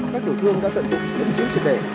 các tiểu thương đã tận dụng những chiếc chiếc đề